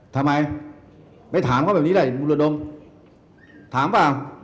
ทำไมไม่ถามเขาแบบนี้ได้อ่ะบรวมลูกน้องถามมั้ย